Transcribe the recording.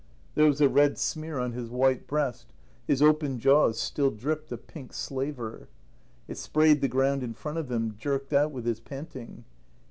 There was a red smear on his white breast; his open jaws still dripped a pink slaver. It sprayed the ground in front of them, jerked out with his panting.